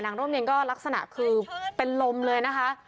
ร่มเย็นก็ลักษณะคือเป็นลมเลยนะคะ